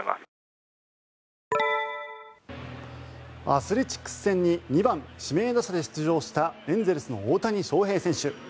アスレチックス戦に２番指名打者で出場したエンゼルスの大谷翔平選手。